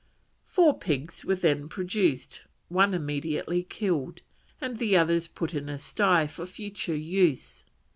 Four pigs were then produced, one immediately killed, and the others put in a sty for future use.